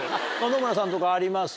野々村さんとかあります？